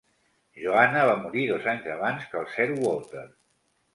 Johanna va morir dos anys abans que Sir Walter.